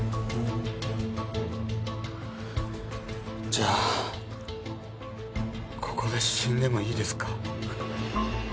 じゃあここで死んでもいいですか？